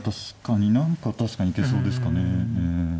確かに何か確かに行けそうですかね。